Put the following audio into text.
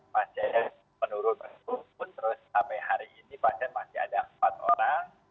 pasien menurun terus sampai hari ini pasien masih ada empat orang